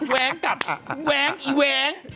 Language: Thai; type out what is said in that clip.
แว๊งกับแว๊งอีแว๊ง